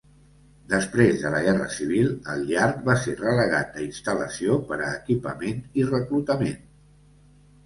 Després de la Guerra Civil, el Yard va ser relegat a instal·lació per a equipament i reclutament.